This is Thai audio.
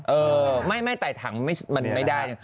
เออไม่ถ้ายถ๗๐ไม่ได้